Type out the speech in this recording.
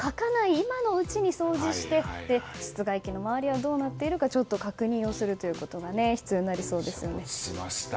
今のうちに掃除して室外機の周りはどうなっているか確認するということが必要になりそうです。